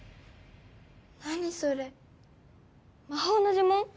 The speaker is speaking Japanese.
何それ魔法の呪文？